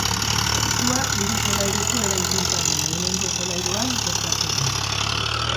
Sua hiru solairuko eraikuntzaren lehenengo solairuan gertatu da.